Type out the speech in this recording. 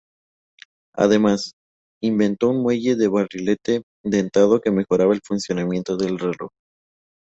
Además, inventó un muelle de barrilete dentado que mejoraba el funcionamiento del reloj.